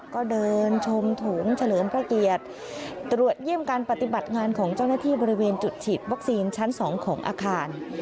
ก็เดินชมโถงเฉลิมพระเกียรติตรวจเยี่ยมการปฏิบัติงานของเจ้าหน้าที่บริเวณจุดฉีดวัคซีนชั้น๒ของอาคาร